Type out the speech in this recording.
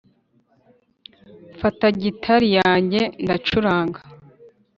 mfata gitari yanjye ndacuranga